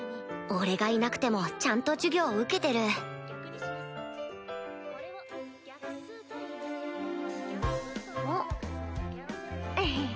俺がいなくてもちゃんと授業受けてるおっ。